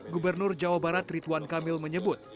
gubernur jawa barat rituan kamil menyebut